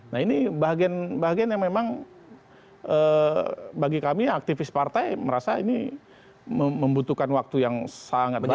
nah ini bagian bagian yang memang bagi kami aktivis partai merasa ini membutuhkan waktu yang sangat banyak